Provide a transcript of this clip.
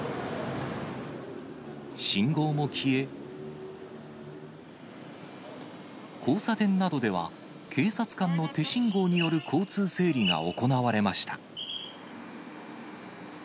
信号も消え、交差点などでは警察官の手信号による交通整理が行われました。